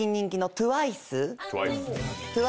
ＴＷＩＣＥ。